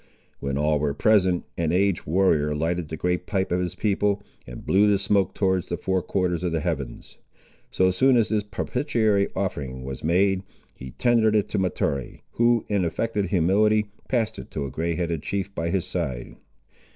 When all were present, an aged warrior lighted the great pipe of his people, and blew the smoke towards the four quarters of the heavens. So soon as this propitiatory offering was made, he tendered it to Mahtoree, who, in affected humility, passed it to a grey headed chief by his side.